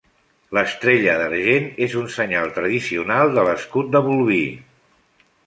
L'estrella d'argent és un senyal tradicional de l'escut de Bolvir.